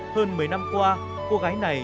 hơn mấy năm qua cô gái này